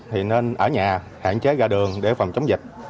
thì nên ở nhà hạn chế ra đường để phòng chống dịch